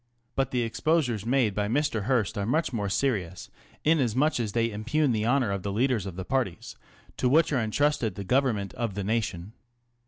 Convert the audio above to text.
But the exposures made by Mr. Hearst are much more serious, inasmuch as they impugn the honour of the leaders of the parties to which are entrusted the government of t'le nation.